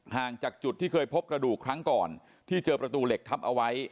ห่างจากจุดที่เคยพบกระดูกครั้งก่อนที่เจอประตูเหล็กทับเอาไว้